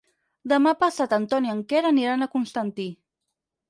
Demà passat en Ton i en Quer aniran a Constantí.